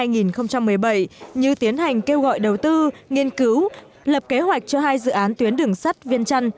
năm hai nghìn một mươi bảy như tiến hành kêu gọi đầu tư nghiên cứu lập kế hoạch cho hai dự án tuyến đường sắt viêng trăn